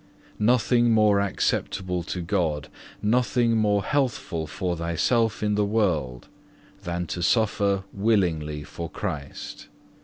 Nothing more acceptable to God, nothing more healthful for thyself in this world, than to suffer willingly for Christ.